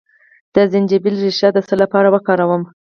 د زنجبیل ریښه د څه لپاره وکاروم؟